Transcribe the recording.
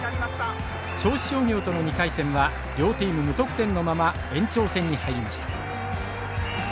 銚子商業との２回戦は、両チーム無得点のまま延長戦に入りました。